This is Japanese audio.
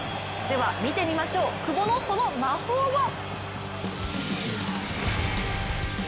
では、見てみましょう久保のその魔法を。